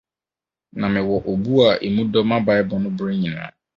Na mewɔ obu a emu dɔ ma Bible no bere nyinaa.